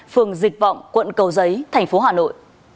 phường dịch vọng quận cầu giấy thành phố hà nội